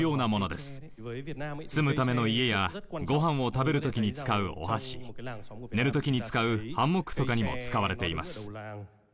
住むための家やご飯を食べる時に使うお箸寝る時に使うハンモックとかにも使われています。